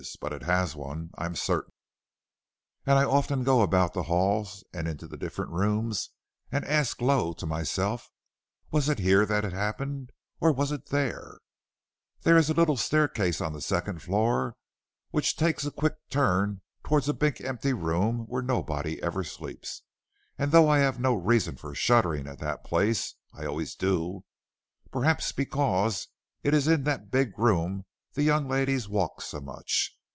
But it has one, I am certain, and I often go about the halls and into the different rooms and ask low to myself, 'Was it here that it happened, or was it there?' There is a little staircase on the second floor which takes a quick turn towards a big empty room where nobody ever sleeps, and though I have no reason for shuddering at that place, I always do, perhaps because it is in that big room the young ladies walk so much.